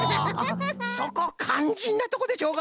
そこかんじんなとこでしょうが！